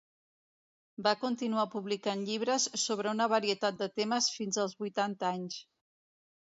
Va continuar publicant llibres sobre una varietat de temes fins als vuitanta anys.